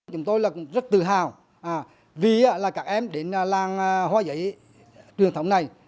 chúng tôi cũng rất tự hào vì các em đến làng hoa giấy truyền thống này